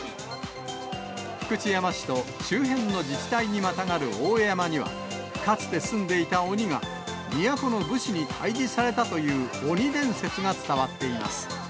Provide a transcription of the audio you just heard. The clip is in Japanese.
福知山市と周辺の自治体にまたがる大江山には、かつて住んでいた鬼が、都の武士に退治されたという鬼伝説が伝わっています。